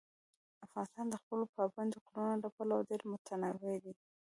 افغانستان د خپلو پابندي غرونو له پلوه ډېر متنوع دی.